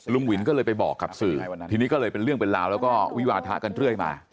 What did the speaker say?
หวินก็เลยไปบอกกับสื่อทีนี้ก็เลยเป็นเรื่องเป็นราวแล้วก็วิวาทะกันเรื่อยมา